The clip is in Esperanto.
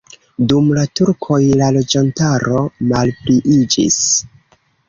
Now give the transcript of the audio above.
Dum la turkoj la loĝantaro malpliiĝis.